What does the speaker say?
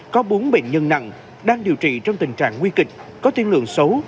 có bốn bệnh nhân nặng đang điều trị trong tình trạng nguy kịch có tiên lượng xấu